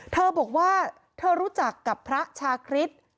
เธอบอกว่าเธอรู้จักกับพระชาคริสต์